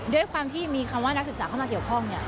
ด้วยความที่มีคำว่านักศึกษาเข้ามาเกี่ยวข้อง